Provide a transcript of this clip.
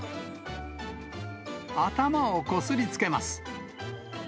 頭をこすりつけます。